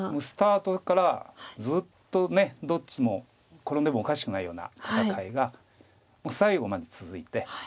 スタートからずっとどっちも転んでもおかしくないような戦いがもう最後まで続いて。